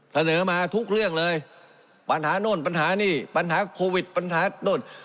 เสนอมาทุกเรื่องเลยปัญหาโน่นปัญหานี่ปัญหาโควิดปัญหาโน่น